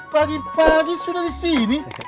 pagi pagi sudah di sini